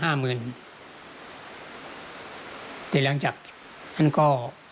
แต่หลังจากท่านก็